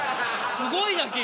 すごいな君。